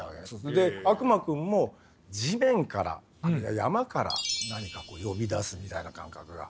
で「悪魔くん」も地面から山から何かこう呼び出すみたいな感覚が。